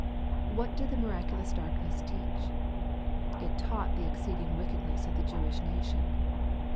What did the miraculous darkness teach ? It taught the exceeding wickedness of the Jewish nation.